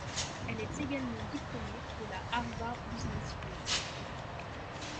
Elle est également diplômée de la Harvard Business School.